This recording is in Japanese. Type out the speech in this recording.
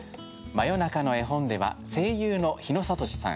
「真夜中の絵本」では声優の日野聡さん